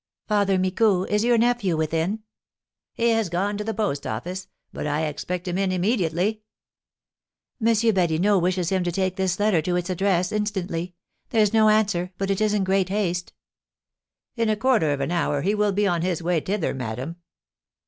"Father Micou, is your nephew within?" "He has gone to the post office; but I expect him in immediately." "M. Badinot wishes him to take this letter to its address instantly. There's no answer, but it is in great haste." "In a quarter of an hour he will be on his way thither, madame."